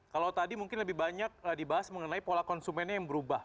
kalau tadi mungkin lebih banyak dibahas mengenai pola konsumennya yang berubah